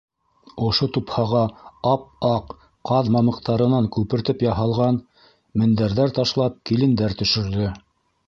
Ошо тупһаға ап-аҡ ҡаҙ мамыҡтарынан күпертеп яһалған мендәрҙәр ташлап килендәр төшөрҙө.